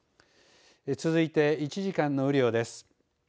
続いて１時間の雨量です。